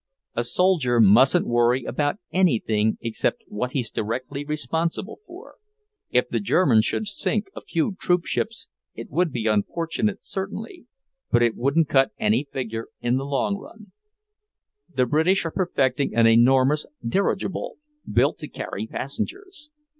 A soldier mustn't worry about anything except what he's directly responsible for. If the Germans should sink a few troop ships, it would be unfortunate, certainly, but it wouldn't cut any figure in the long run. The British are perfecting an enormous dirigible, built to carry passengers.